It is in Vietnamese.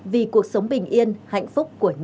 vì cuộc sống bình yên hạnh phúc của nhân dân